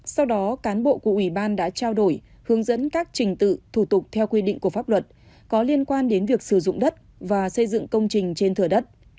sau đó cán bộ của ủy ban đã trao đổi hướng dẫn các trình tự thủ tục theo quy định của pháp luật có liên quan đến việc sử dụng đất và xây dựng công trình trên thửa đất